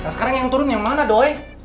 sekarang yang turun yang mana doi